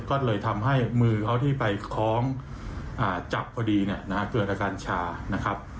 ก็เลยทำให้มือเขาที่ไปคล้องจับพอดีเนี่ยนะฮะเกิดอาการชานะครับ